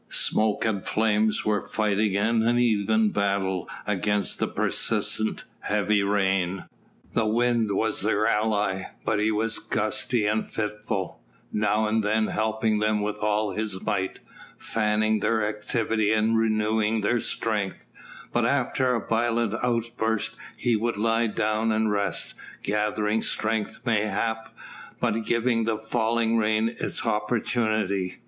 Smoke and flames were fighting an uneven battle against the persistent, heavy rain. The wind was their ally, but he was gusty and fitful: now and then helping them with all his might, fanning their activity and renewing their strength, but after a violent outburst he would lie down and rest, gathering strength mayhap, but giving the falling rain its opportunity.